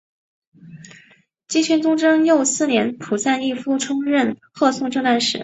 金宣宗贞佑四年仆散毅夫充任贺宋正旦使。